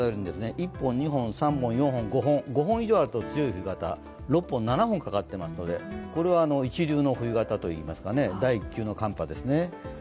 １本、２本、５本以上あると強い冬型、６本、７本かかってますので、これは一流の冬型、第１級の寒波ですね。